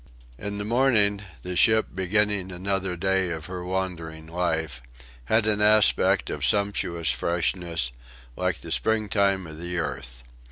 In the morning the ship, beginning another day of her wandering life, had an aspect of sumptuous freshness, like the spring time of the earth.